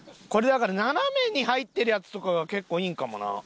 これだから斜めに入ってるやつとかが結構いいんかもな。